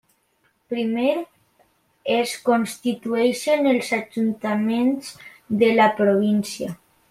Primer, es constitueixen els ajuntaments de la província.